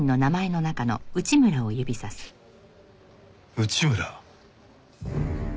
「内村」。